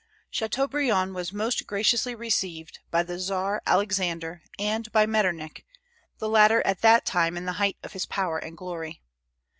Chateaubriand was most graciously received by the Czar Alexander and by Metternich, the latter at that time in the height of his power and glory.